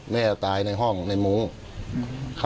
แม่ตายในห้องในมุ้ง